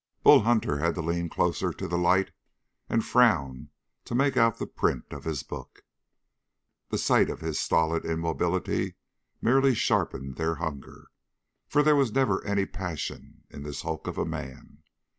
Bull Hunter had to lean closer to the light and frown to make out the print of his book. The sight of his stolid immobility merely sharpened their hunger, for there was never any passion in this hulk of a man.